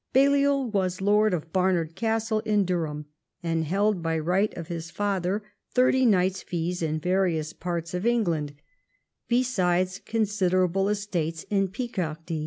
Balliol was lord of Barnard Castle in Durham, and held by right of his father thirty knights' fees in various parts of England, besides considerable estates in Picardy.